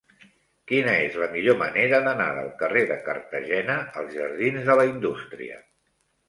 Quina és la millor manera d'anar del carrer de Cartagena als jardins de la Indústria?